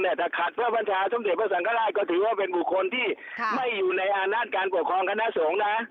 แต่ถ้าขัดเพื่อบัญชาสมเด็จพระสังฆราชก็ถือว่าเป็นบุคคลที่ไม่อยู่ในอำนาจการปกครองคณะสงฆ์นะ